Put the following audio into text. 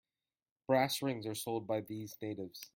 Brass rings are sold by these natives.